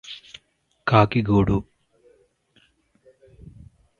కాకి గూడు